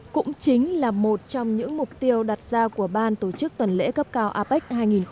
cũng chính là một trong những mục tiêu đặt ra của ban tổ chức tuần lễ cấp cao apec hai nghìn hai mươi